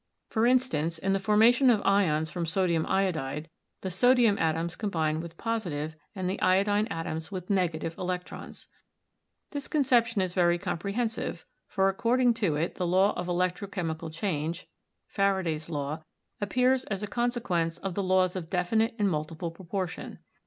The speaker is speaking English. For instance, in the formation of ions from sodium iodide the sodium atoms combine with positive and the iodine atoms with negative electrons. This conception is very comprehensive, for according to it the law of electro chemical change (Faraday's law) appears as a conse quence of the laws of definite and multiple proportion.